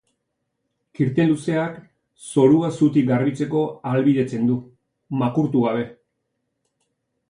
Kirten luzeak zorua zutik garbitzeko ahalbidetzen du, makurtu gabe.